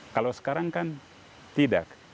kalau sekarang kan tidak